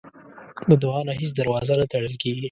د دعا نه هیڅ دروازه نه تړل کېږي.